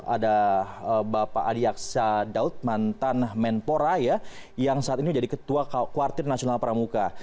ada bapak adiaksa daud mantan menpora ya yang saat ini jadi ketua kuartir nasional pramuka